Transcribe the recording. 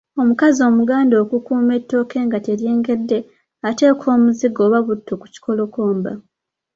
Omukazi Omuganda okukuuma ettooke nga teryengedde, ateeka omuzigo oba butto ku kikolokomba.